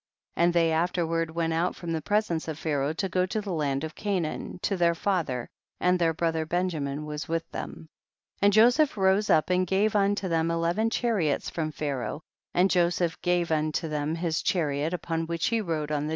79. And they afterward went out from the presence of Pharaoh to go to the land of Canaan, to their father, and their brother Benjamin was with them. 80. And Joseph rose up and gave unto them eleven chariots from Pha raoh, and Joseph gave unto them his chariot, upon which he rode on the 176 THE BOOK OF JASHER.